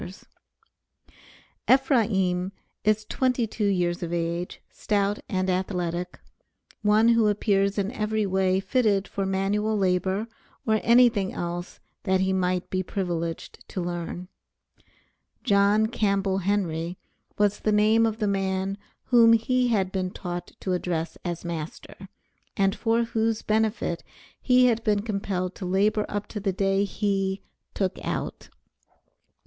Ephraim is twenty two years of age, stout and athletic, one who appears in every way fitted for manual labor or anything else that he might be privileged to learn. John Campbell Henry, was the name of the man whom he had been taught to address as master, and for whose benefit he had been compelled to labor up to the day he "took out."